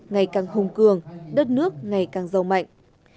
ngày càng hùng cường đất nước ngày càng giàu mạnh